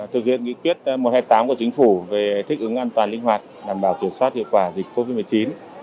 thực hiện nghị quyết một trăm hai mươi tám của chính phủ về thích ứng an toàn linh hoạt đảm bảo kiểm soát hiệu quả dịch covid một mươi chín